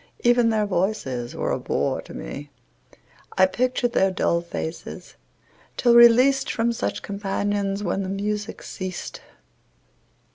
Even their voices were a bore to me; I pictured their dull faces, till released From such companions, when the music ceased.